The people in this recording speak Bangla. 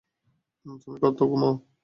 তুমি কতো ঘুমাও!